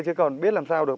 chứ còn biết làm sao được